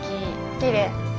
きれい。